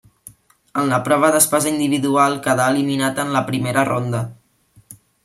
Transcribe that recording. En la prova d'espasa individual quedà eliminat en la primera ronda.